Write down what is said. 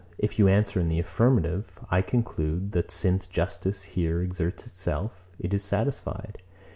_ If you answer in the affirmative, I conclude, that, since justice here exerts itself, it is satisfied.